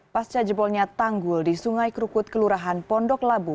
pasca jebolnya tanggul di sungai krukut kelurahan pondok labu